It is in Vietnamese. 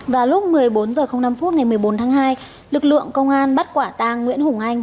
vào lúc một mươi bốn h năm ngày một mươi bốn tháng hai lực lượng công an bắt quả tang nguyễn hùng anh